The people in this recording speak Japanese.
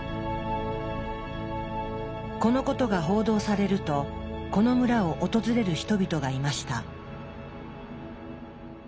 このことが報道されるとこの村を訪れる人々がいました。